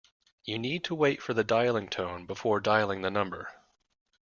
You need to wait for the dialling tone before dialling the number